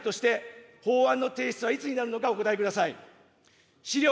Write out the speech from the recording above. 岸田内閣として、法案の提出はいつになるのか、お答えください。